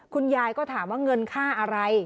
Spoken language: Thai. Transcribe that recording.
คุณยายก็ถามว่าเงินค่าอะไร